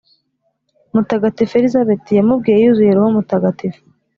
mutagatifu elizabeti yamubwiye, yuzuye roho mutagatifu